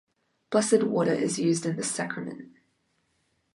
Blessed water is used in this sacrament.